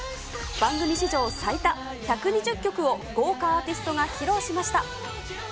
番組史上最多１２０曲を豪華アーティストが披露しました。